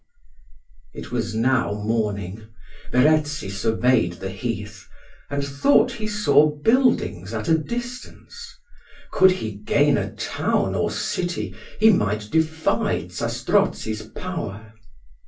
It was now morning. Verezzi surveyed the heath, and thought he saw buildings at a distance. Could he gain a town or city, he might defy Zastrozzi's power.